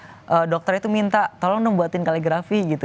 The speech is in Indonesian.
jadi aku minta tolong ngebuatin kaligrafi